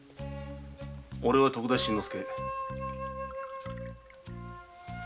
おれは徳田新之助。